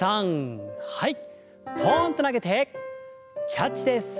ポンと投げてキャッチです。